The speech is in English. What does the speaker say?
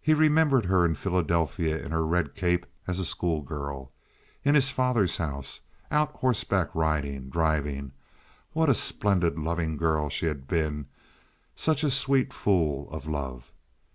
He remembered her in Philadelphia in her red cape as a school girl—in his father's house—out horseback riding, driving. What a splendid, loving girl she had been—such a sweet fool of love.